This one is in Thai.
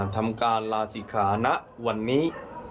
ทำการลาศิขาณวันนี้